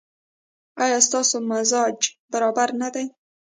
ایا ستاسو مزاج برابر نه دی؟